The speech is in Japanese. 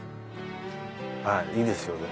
ああいいですよ。